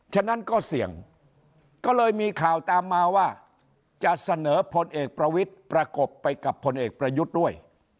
ฉะนั้นก็เสี่ยงก็เลยมีข่าวตามมาว่าจะเสนอพลเอกประวิทย์ประกบไปกับพลเอกประยุทธ์ด้วย